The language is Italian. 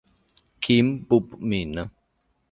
Kim Bub-min